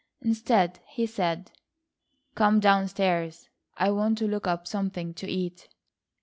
Instead, he said: "Come down stairs. I want to look up something to eat."